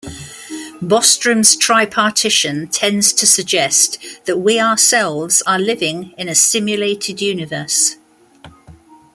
Bostrom's tripartition tends to suggest that we ourselves are living in a simulated universe.